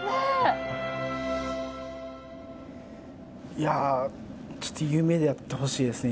いやちょっと夢であってほしいですね